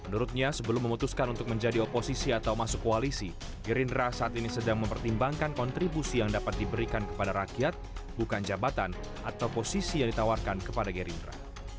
menurutnya sebelum memutuskan untuk menjadi oposisi atau masuk koalisi gerindra saat ini sedang mempertimbangkan kontribusi yang dapat diberikan kepada rakyat bukan jabatan atau posisi yang ditawarkan kepada gerindra